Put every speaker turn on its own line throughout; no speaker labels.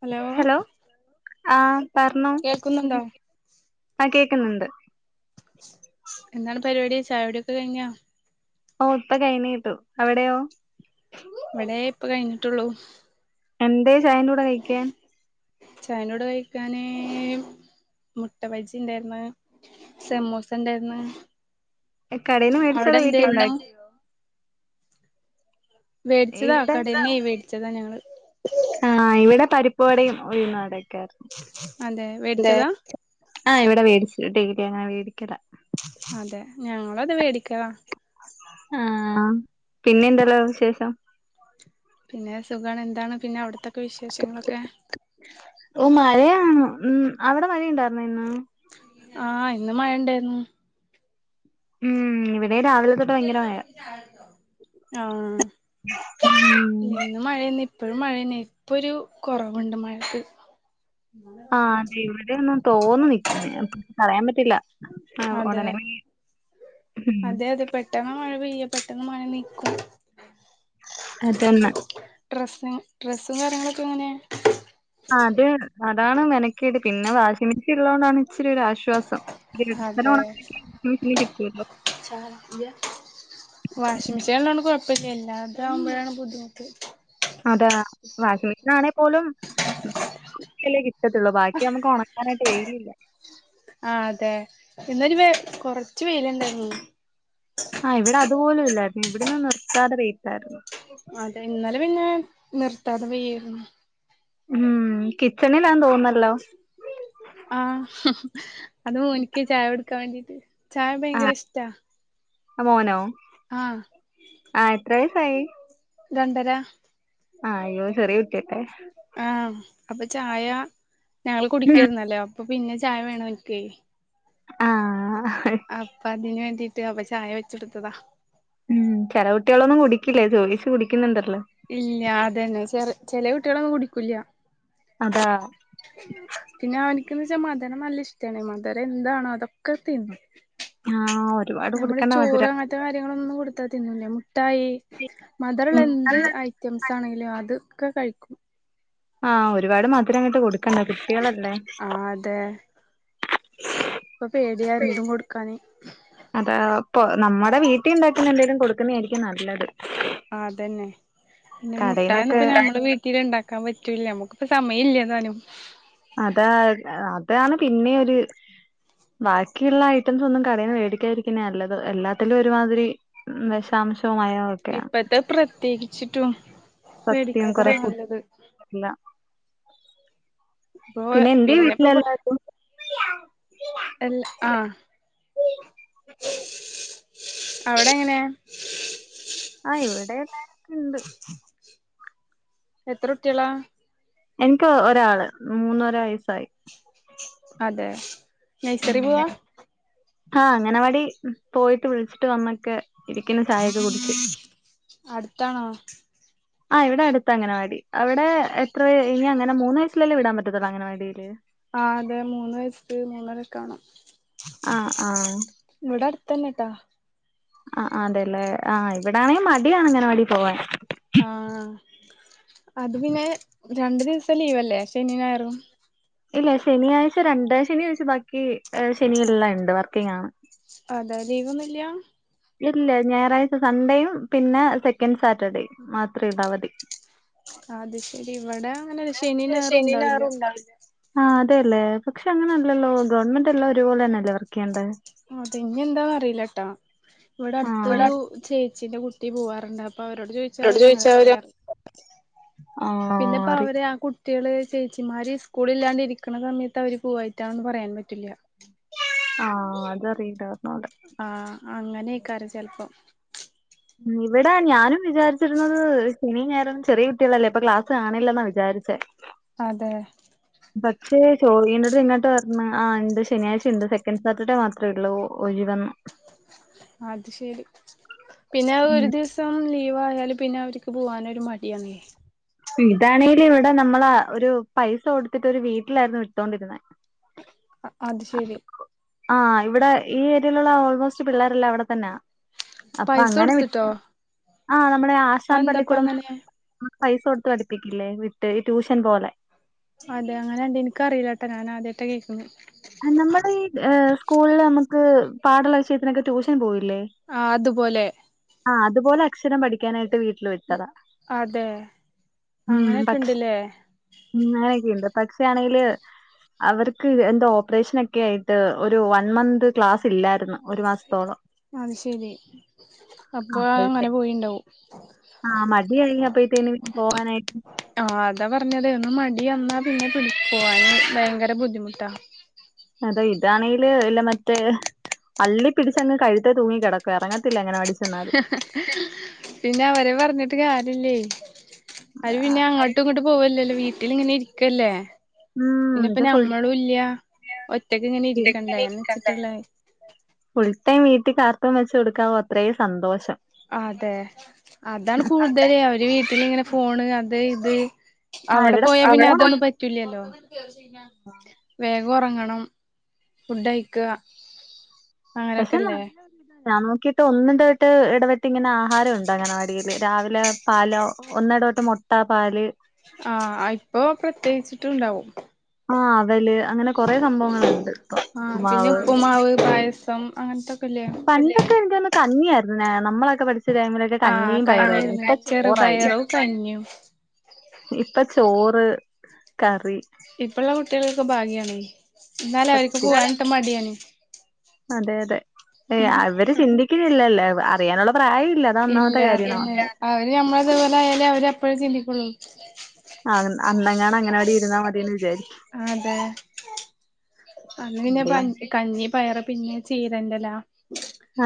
Hello
ആഹ് പറഞ്ഞോ,
കേൾക്കുന്നുണ്ടോ
ആഹ് കേക്ക്‌ന്നുണ്ട്
എന്താണ് പരിപാടി, ചായ കുടിയൊക്കെ കഴിഞ്ഞോ?
ഓഹ് ഇപ്പകൈനീട്ടും. അവിടെയോ
ഇവിടെ ഇപ്പ കഴിഞ്ഞിട്ടുള്ളൂ
എന്തേ ചായൻ കൂടെ കയിക്കാൻ
ചൈനോട് കഴിക്കാന് മുട്ട വജി ഉണ്ടായിന്ന് സെമോസ് ഉണ്ടായിന്ന്
കടയിൽന്ന് മേടിച്ചാ അതാ വീട്ടിയുണ്ടാക്കിയാ
മേടിച്ചതാ
ഇവിടെ
കടേന്നേ മേടിച്ചതാ ഞങ്ങൾ
ആഹ് ഇവിടെ പരിപ്പുവടയും ഉഴുന്നുവടയുക്കെയാരുന്നു
അതെ മേടിച്ചതാ
ആഹ് ഇവിടെ മേടിച്ചു, ഡയിലി അങ്ങനെ മേടിക്കല
അതെ ഞങ്ങളത് മേടിക്ക
ആഹ് പിന്നെ എന്തല്ലോ വിശേഷം
പിന്നെ സുഖാണോ എന്താണ് പിന്നെ അവിടത്തൊക്കെ വിശേഷങ്ങളൊക്കെ
ഓ മഴയാണ് ഉം അവിടെ മഴ ഉണ്ടായിരുന്നോ ഇന്ന്
ആഹ് ഇന്നും മഴണ്ടായിരുന്നു
ഉം ഇവിടെ രാവിലെ ഭയങ്കര മഴ
മഴന്നെ ഇപ്പോഴും മഴന്നെ ഇപ്പൊ ഒരു കുറവുണ്ട് മഴക്ക്
ആഹ് അതെ ഇവിടെന്നും തോന്നു നിക്കിന്ന്, പറയാൻ പറ്റില്ല ആഹ്
അതെ
ഉടനെ ഉം
അതെ അതെ പെട്ടെന്ന് മഴ പെയ്യും പെട്ടെന്ന് മഴ നിക്കും
അതന്ന
ഡ്രസ്സ ഡ്രസ്സും കാര്യങ്ങളൊക്കെ എങ്ങനെയാണ്
ആഹ് അതെ അതാണ് മെനക്കേട് പിന്നെ വാഷിംഗ് മെഷീൻ ഉള്ളതൊണ്ടാണ് ഇച്ചിരി ഒരാശ്വാസം
അതെ
[unintelligible]
[unintelligible] വാഷിംഗ് മെഷീനൊള്ളോണ്ട് കുഴപ്പില്ല ഇല്ലാതാവുമ്പോഴാണ് ബുദ്ധിമുട്ട്
അതെ വാഷിംഗ് മെഷീൻ ആണേ പോലും [inaudible] ല്ലേ കിട്ടത്തുള്ളൂ ബാക്കി നമുക്ക് ഉണ [unintelligible]
ആഹ് അതെ ഇന്നൊരു വ കൊറച്ച് വെയിലുണ്ടായിരുന്നു
ആഹ് ഇവിടെ അതുപോലും ഇല്ലായിരുന്നു ഇവിടിന്ന് നിർത്താതെ വെയിലായിരുന്നു
അതെ ഇന്നലെ പിന്നെ നിർത്താതെ പെയ്യായിരുന്നു
ഉം കിച്ചണിലാന്ന് തോന്നല്ലോ
ആഹ് അത് മോനിക്ക് ചായ കൊടുക്കാൻ വേണ്ടീട്ട്, ചായ ഭയങ്കര
ആഹ്
ഇഷ്ടാ
മോനോ
ആഹ്
ആഹ് എത്ര വയസായി
രണ്ടര
ആ യ്യോ ചെറിയ കുട്ടിയത്ര
ആഹ് അപ്പൊ ചായ ഞങ്ങള് കുടിക്കായിരുന്നല്ലോ അപ്പൊ പിന്നെ ചായ വേണനിക്ക്
ആഹ്
അപ്പൊ അതിന് വേണ്ടിട്ട് അപ്പൊ ചായ വെച്ചെടുത്തതാ
ഉം ചെല കുട്ടികളൊന്നും കുടിക്കില്ലേ, ചോദിച്ച് കുടിക്കുന്നുണ്ടല്ലോ
ഇല്ല അതന്നെ ചെറ ചെല കുട്ടികളൊന്നും കുടിക്കൂല്ല
അതാ
പിന്നെ അവനക്ക്ന്ന് വെച്ചാ മധുരം നല്ല ഇഷ്ടാണ് മധുരം എന്താണോ അതൊക്കെ തിന്നും
ആഹ് ഒരുപാട്
നമ്മള്
കൊടുക്കണ്ട
ചോറ്
മധുരം.
അങ്ങനത്തെ കാര്യങ്ങളൊന്നും കൊടുത്താ തിന്നില്ല മുട്ടായി മധുരള്ള
ഉം
എന്ത് ഐറ്റംസ് ആണെങ്കിലും അതൊക്കെ കഴിക്കും
ആഹ് ഒരുപാട് മധുരം അങ്ങോട്ട് കൊടുക്കണ്ട കുട്ടികളല്ലേ
ആഹ് അതെ ഇപ്പൊ പേടിയാ എന്തും കൊടുക്കാന്.
അതാ ഇപ്പൊ നമ്മുടെ വീട്ടിൽ ഉണ്ടാക്കുന്ന എന്തെങ്കിലും കൊടുക്കുന്നെ ആയിരിക്കും നല്ലത്
ആ അതന്നെ പിന്നെ
കടയിന്നൊക്കെ
മുട്ടായിന്നിപ്പന്നെ നമ്മളെ വീട്ടി വീട്ടില് ഉണ്ടാക്കാൻ പറ്റൂല്ല നമ്മുക്കിപ്പം സമയമില്ലതാനും.
അതാ അതാണ് പിന്നെ ഒര്. ബാക്കിയുള്ള ഐറ്റംസ് ഒന്നും കടയിന്ന്. മേടിക്കാതിരിക്കുന്നേ നല്ലത് എല്ലാത്തിലും ഒരുമാതിരി. വിഷാംശ മയയു
ഇപ്പത്തെ പ്രത്യേകിച്ചിട്ടും മേടിക്കാത്താണ് നല്ലത്
അല്ല പിന്നെ എന്റെ വീട്ടിലെല്ലാതോട്.
എൽ ആഹ് അവിടെ എങ്ങനെയാ
ആഹ് ഇവിടെ എല്ലാര്ക്ക്ണ്ട്
എത്ര കുട്ടികളാ?
എനിക്ക് ഒരാള് മൂന്നര വയസ്സായി.
അതെ നേഴ്സറി പോവാ?
ഉം ആഹ് അംഗനവാടി പോയിട്ട് വിളിച്ചിട്ട് വന്നൊക്കെ. ഇരിക്കുന്നു ചായൊക്കെ കുടിച്ച്
അടുത്താണോ?
ആഹ് ഇവിടെ അടുത്ത അംഗനവാടി. ആഹ് അവിടെ എത്ര ഇനി അങ്ങനെ മൂന്ന് വയസ്സിലല്ലേ വിടാൻ പറ്റത്തുള്ളൂ. അംഗനവാടിയില്.
ആതോ മൂന്ന് വയസ് മൂന്നരയൊക്കെ ആണം.
ആഹ് ആഹ്
ഇവിടെ അടുത്ത്ന്നെട്ടാ.
ആഹ് ആ അതെല്ലേ ആഹ് ഇവിടാണെങ്കിൽ മടിയാണ് അംഗനവാടി പോവാൻ
ആഹ് അത് പിന്നെ രണ്ടു ദിവസം ലീവല്ലേ ശനിയും, ഞായറും.
ഇല്ല ശനിയാഴ്ച രണ്ടാം ശനിയാഴ്ച ബാക്കി ശനിയെല്ലാം ഇണ്ട് വർക്കിങ്ങാണ്.
അതെ ലീവൊന്നുമില്ല.
ഇല്ല ഞായറാഴ്ച സൺഡേയും പിന്നെ സെക്കൻഡ് സാറ്റർഡേയും മാത്രേ ഉള്ളൂ അവധി
അത് ശെരി ഇവിടെ അങ്ങനെ ശനിയും ഞായറും ഉണ്ടാവില്ല.
ആഹ് അതെയല്ലെ പക്ഷ അങ്ങനെ അല്ലല്ലോ ഗവൺമെന്റെല്ലാം ഒരുപോലെ തന്നെയല്ലേ വർക്ക്‌ ചെയ്യണ്ടെ
പിനൊ എന്താ അറിയില്ലാട്ടാ ഇവിടെ അടുത്തൊരു
ആഹ്
ചേച്ചീന്റെ കുട്ടി കുട്ടി പോവാറുണ്ട് അപ്പോ അവരോട് ചോദിച്ചാ അവര് അങ്ങനെ പറയ്യാറ്.
ആഹ് അറി
പിന്നെപ്പവര് ആഹ് കു കുട്ടികള് ചേച്ചിമാര് സ്കൂളില്ലാണ്ട് ഇരിക്കണ സമയത്ത് അവര് പോയിട്ടാണെന്ന് പറയാൻ പറ്റില്ല.
ആഹ് അതറിയില്ല അവിടെ
ആഹ് അങ്ങനെയ്ക്കാരം ചെലപ്പം.
ഇവിടെ ഞാനും വിചാരിച്ചിക്ണത്. ശനിയും ഞായറും ചെറിയ കുട്ടികളല്ലേ അപ്പം ക്ലാസ് കാണില്ലെന്നാ വിചാരിച്ചേ
അതെ
പക്ഷേ ചോയിന്നത് ഇങ്ങട്ട് പറഞ്ഞ് ആഹ് ഇണ്ട് ശനിയാഴ്ച്ച ഇണ്ട് സെക്കൻഡ് സാറ്റർഡേ മാത്രമേ ഉള്ളൂ ഒഴിവെന്ന്.
അത് ശരി പിന്നെആ ഒരു
ഉം
ദിവസം തോനോ ലീവായാല് പിന്നെ അവർക്ക് പോകാനൊരു മടിയാണെ?
ഇതാണെങ്കിൽ ഇവിടെ നമ്മള് ഒരു പൈസ കൊടുത്തിട്ട് ഒരു വീട്ടിലായിരുന്നു വിട്ടോണ്ടിരുന്നെ
അത് ശരി
ആഹ് ഇവിടെ ഈ ഏരിയയിലുള്ള ഓൾമോസ്റ്റ് പിള്ളേരെല്ലാം അവിടെ തന്നാ. അപ്പൊ
പൈസ
അങ്ങനെ വി
കൊടുത്തിട്ടോ
ആഹ് നമ്മടെ ആശാൻ
അതെന്താപ്പ
പള്ളിക്കൂടം.
അങ്ങനെ
ആ പൈസ കൊടുത്ത് പഠിപ്പിക്കില്ലേ വിട്ട് ഈ ട്യൂഷൻ പോലെ.
ആതെ അങ്ങനെട എനിക്കറിയില്ലാട്ടാ ഞാൻ ആദ്യയിട്ടാ കേൾക്കുന്നെ.
നമ്മള് ഈ സ്കൂളിൽ നമുക്ക് പാടുള്ള വിഷയത്തിനൊക്കെ ട്യൂഷൻ പോയില്ലേ?
ആഹ് അതുപോലെ
ആഹ് അതുപോലെ. അക്ഷരം പഠിക്കാനായിട്ട് വീട്ടിൽ വിട്ടതാ.
അതെ
മ്
അങ്ങനെയൊക്കെ
പക്ഷെ
ഇണ്ട്ല്ലേ
ഉം അങ്ങനെയൊക്കെയുണ്ട് പറ്റാണെങ്കില് അവർക്ക് എന്താ ഓ ഓപ്പറേഷനൊക്കെയായിട്ട് ഒരുവൺമന്ത് ക്ലാസ്സില്ലായിരുന്നു ഒരുമാസത്തോളം.
അതുശരി. അപ്പൊ അഹ്
അപ്പഴത്തേ
ങ്ങനെ പോയിണ്ടാവും.
ആഹ് മടിയായി അപ്പഴത്തേന് പോവാനായിട്ട്
ആ. അതാപറഞ്ഞതു ഒന്നുമടിവന്നാപിന്നെ പിടി, പോവാന് ഭയങ്കര ബുദ്ധിമുട്ടാ.
അതെ ഇതാണെങ്കില് ഇല്ല മറ്റേ അള്ളിപ്പിടിച്ചങ്ങു കഴുത്തേ തൂങ്ങിടക്കുവാണ്, ഇറങ്ങത്തില്ല അംഗനവാടി
ഹ് ഹ് പിന്നെ വരെ പറഞ്ഞിട്ടുകാര്യല്ലേ. അയിൽ പിന്നെ അങ്ങോട്ടു ഇങ്ങോട്ടു പോകുവല്ലല്ലോ വീട്ടിലിങ്ങനെയിരിക്കല്ലേ.
ഉം
പിന്നെ പ്പം
ഇത് ഫുൾ
ഞമ്മളുല്ല്യാ ഒറ്റക്കിങ്ങനെയിരിക്കണ്ടേ ന്നുവെച്ചിട്ടുള്ളേ
ഫുൾടൈം വീട്ടിൽ കാർട്ടൂൺവെച്ചുകൊടുക്കാവോ അത്രയും സന്തോഷം.
അതെ, അതാണുകൂടുതല് അവരു വീട്ടിലിങ്ങനെ ഫോണ് അത് ഇത്
ആഹ് ഇവിടെ
അവിടെപോയാ
അവിടെ
പിന്നെ
ഫോൺ പോയി
തൊന്നും പറ്റൂല്ല്യല്ലോ. വേഗം ഒറങ്ങണം ഫുഡ്ഴിക്ക.
പക്ഷേ നല്ല നമുക്കിട്ട് ഒന്നിടവിട്ട് ഇടവിട്ടിങ്ങനെ ആഹാരം ഉണ്ടാക്കണം [unintelligible] രാവിലെ. പാലോ? ഒന്നിടവിട്ട് മുട്ട, പാല്
ആ അയിപ്പോ പ്രത്യേകിച്ചിട്ടുണ്ടാവും.
ആവല് അങ്ങനെ കൊറെ സംഭവങ്ങളുണ്ട് ഇപ്പം ഉപ്പുമാവ് ചിന്നു.
ഉം അങ്ങനെത്തെ ഒക്കെ ഇല്ല്യേ
പണ്ടൊക്കെ എനിക്കു തോന്നുന്നു കഞ്ഞിയായിരുന്നു നമ്മളൊക്കെപഠിച്ച ടൈമിലൊക്കെ
ആഹ്
കഞ്ഞിയും പയറുമായിരുന്നു
കഞ്ഞിയായിരുന്നു
ഇപ്പ ചോറായി.
ചെറുപയറും കഞ്ഞിയും
ഇപ്പ ചോറ്, കറി
ഇപ്പള്ള കുട്ടികൾക്ക് ഭാഗ്യാണ്. ഇന്നാലും അവർക്ക് പോവാനറ്റേ മടിയാണ്.
അതെയതെ അവരു ചിന്തിക്കുന്നില്ലല്ലോ. അറിയാനുള്ള പ്രായ ഇല്ല തൊന്നാമത്തെ കാര്യമാണോ? ഇല്ല
അവര് നമ്മളേത് പോലെ യാലേ അവരപ്പോഴേ ചിന്തിക്കുണു.
ആ അന്നെങ്ങാനുങ്ങനെ അംഗനവാടിയിരുന്നാ മതിന്.
അതെ. അല്ല പിന്നെ പഞ്ഞി, കഞ്ഞീം, പയറും പിന്നെ ചീരൻ്റെല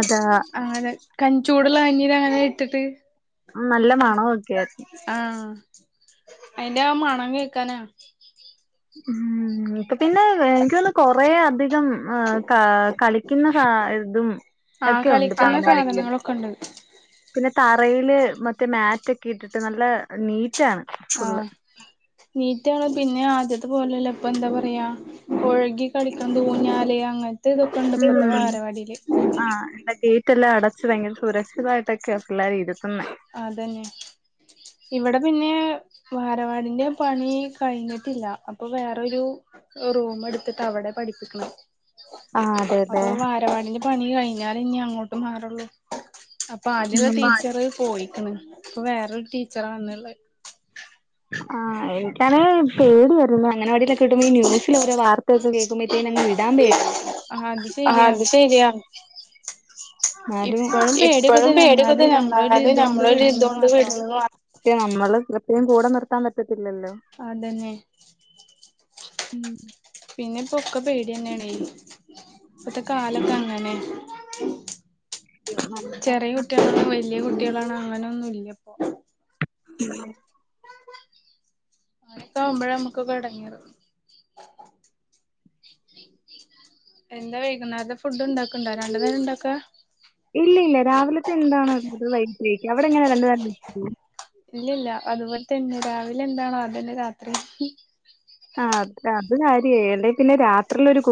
അതാ
അങ്ങനെ ക ചൂടുള്ള കഞ്ഞീലങ്ങനെയിട്ടിട്ട്.
നല്ല മണൊക്കെ
ആ അയിന്റെ മണം കേൾക്കാനാ.
ഉം പിന്നെ ഇൻക്ക് കൊറേയധികം അ ക കളിക്കുന്ന ഹ യിതും.
ആ കളിക്കുന്ന സാധനങ്ങളൊക്കെണ്ട്.
പിന്നെ തറയിൽ മറ്റേ മാറ്റൊക്കെയിട്ടിട്ട് നല്ല നീറ്റാണ്.
ആ.
ഫുള്ള്
നീറ്റാണു പിന്നെ ആദ്യത്തെപോലെയല്ലാ ഇപ്പൊയെന്താ പറയാ. പുഴകികളിക്കാൻ ഊഞ്ഞാല് അങ്ങനത്തെ തൊക്കെണ്ട് ഇപ്പളത്തെ ബാലവാടിയില്.
അ [unintelligible] ത്തെ പൊത്തെല്ലാം അടച്ചുഭയങ്കര സുരക്ഷിതമായിട്ടൊക്കയാ പിള്ളേരെയിരുത്തുന്നേ.
അതന്നെയിവിടെ പിന്നെ ബാലവാടീന്റെ പണി കഴിഞ്ഞിട്ടില്ല, അപ്പംവേറൊരു. റൂമെടുത്ത്ട്ട അവടെ പഠിപ്പിക്കണേ.
ആഹ് അതെല്ലേ
അപ്പൊ ബാലവാടീന്റെ പണി കഴിഞ്ഞാലിനിയങ്ങോട്ടു മാറുള്ളൂ. അപ്പൊ ആദ്യള്ള
അപ്പൊ അത്
ടീച്ചറു പോയിക്ക്ണ് ഇപ്പം വേറൊരു ടീച്ചറാണുള്ളേ.
ആ എനിക്കാണെങ്കി പേടിയായിരുന്നു. അംഗനവാടിയിലൊക്കെ വിടുമ്പോ ഈ ന്യൂസിലോരോ വാർ [unintelligible] കേക്കുമ്പോൾ ത്തെന്നെ വിടാൻ പേടിയാ
ആഹ് അത്
ആ
ശരിയാ
അതുശരിയാ. ന്നാലും
ഇപ്പഴും പേടിയൊക്കെ
ഇപ്പളും
തന്നെ
പേടിക്കെ
എന്നാലും
തന്നെ
നമ്മളൊരു
ന്നാലും
ഇതോണ്ട് വിടുന്ന്
നമ്മളൊരിതുകൊണ്ടു
മാത്രം
വിടുന്നെന്നു മാ നമ്മള് [unintelligible] കൂടെനിർത്താൻ പറ്റത്തില്ലല്ലോ.
അതന്നെ.
ഉം
പിന്നെപ്പൊ ഒക്കെ പേടി എന്നാണേ ഇപ്പത്തെ കാലൊക്കെ അങ്ങനെ
നമ്മള്
ചെറിയ കുട്ടികളാണോ വലിയ കുട്ടികളാണോ അങ്ങനെ ഒന്നും ഇല്ലപ്പോ
[inaudible]
അങ്ങനൊക്കെ ആവുമ്പോഴ നമ്മുകൊക്കെ ഇടങ്ങേര് എന്താ വൈകുന്നരുത്തെ ഫുഡ് ഇണ്ടാക്ണ്ടോ രണ്ട്നേരം ഇണ്ടാക്കാ
ഇല്ല ഇല്ല രാവിലത്തെ എന്താണത് വൈകിട്ടത്തെക്ക് അവിടെ എങ്ങനെ രണ്ടുനേരം [unintelligible]
ഇല്ലല്ല അതുപോലെ തന്നെ രാവിലെ എന്താണ അതെന്നെ രാത്രി
ആ അത് കാര്യയായ് എല്ലെങ്കിൽ പിന്നെ രാത്രിയിലൊരു കു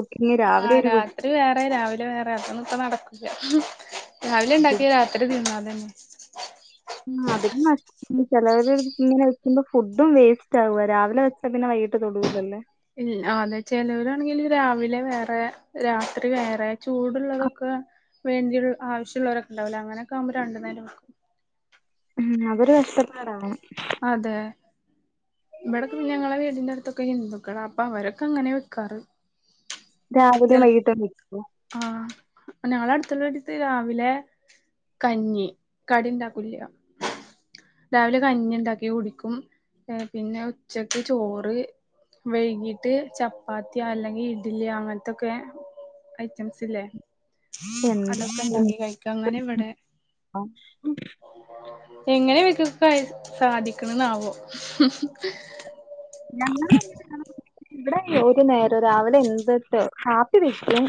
ആഹ രാത്രി വേറെ രാവിലെ വേറെ അതൊന്നും ഇപ്പ നടക്കില്ല
കുക്കിംഗ്
രാവിലെണ്ടാക്കിയ രാത്രി തിന്ന അതന്നെ
[inaudible] മ് ചിലവര് ഇങ്ങനെ വെക്കുമ്പോ ഫുഡും വേസ്റ്റ് ആകുവ രാവിലെ വെച്ച പിന്നെ വൈകിട്ട് തൊടൂലല്ലേ
ൽ അണ് ചിലോരാണെങ്കിൽ രാവിലെ വേറെ രാത്രി വേറെ. ചൂടുള്ളതൊക്കെ വേണ്ടി ആവശ്യമുള്ളവരൊക്കെ ഉണ്ടാവൂലെ അങ്ങനെയൊക്കെ ആവുമ്പോ രണ്ടു നേരം വെ
ഉം അതൊരു കഷ്ടപ്പാടാണ്
അതേ ഇവിടൊക്കെ പിന്നേ ഞങ്ങളെ വീടിന്റെ അടുത്തൊക്കെ ഹിന്ദുക്കാണ് അപ്പ അവരൊക്കെ അങ്ങനെ വെക്കാറ്
രാവിലെ
ചെൽ
വൈകിട്ടോ [unintelligible]
ആഹ് ഞങ്ങളെ അട്ത്തുള്ളരു സ്ത്രീ രാവിലെ കഞ്ഞി കടിണ്ടാക്കുല്യ രാവിലെ കഞ്ഞി ഉണ്ടാക്കി കുടിക്കും പിന്നെ ഉച്ചക്ക് ചോറ് വൈകീട്ട് ചപ്പാത്തി അല്ലെങ്കിൽ ഇഡ്ഡലി അങ്ങ ഇതൊക്കെ ഐറ്റംസ് ഇല്ലേ
എന്താ
അതൊക്കെണ്ടാക്കി കഴിക്ക അങ്ങനെ ഇവിടെ
ഇപ്പം?
എങ്ങനെ [unintelligible] സാധിക്ക്ണ് ന്നാവോ
ഞങ്ങള് [unintelligible] ഇവിടെ ഒരു നേരം രാവിലെ [unintelligible] കാപ്പി വെക്കും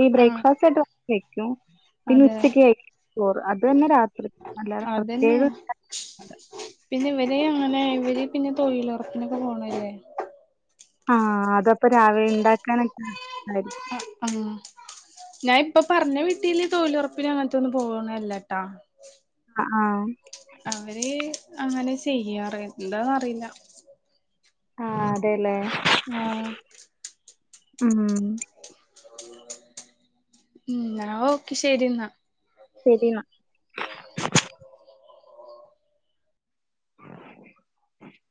ഈ
ആഹ്
ബ്രേക്ക്ഫാസ്റ്റ് [unintelligible] പിന്നെ
അതെ
ഉച്ചക്കയിക്കും ചോറ് അതന്നെ രാത്രിക്ക് അല്ലാതെ
അതന്നെ
പ്രത്യേക
പിന്നെ ഇവരെ അങ്ങനെ ഇവര് പിന്നെ തൊഴിലുറപ്പിനൊക്കെ പോണേല്ലേ
ആഹ് അതപ്പൊ രാവിലെ ഉണ്ടാക്കാനൊക്കെ എളുപ്പായിരിക്കും
ആ ഹ് ഞഇപ്പ പറഞ്ഞ വീട്ടീല് തൊഴിലുറപ്പിനങ്ങനത്തൊന്ന പോവണല്ല ട്ടാ
ആ ഹ
അവര് അങ്ങനെ ചെയ്യാറ് എന്താന്നറിയില്ല
ആ അതെല്ലേ
അഹ്
മ്മം
മ് ന്ന ഓക്കെ ശരി ന്നാ
ശെരി ന്ന [inaudible]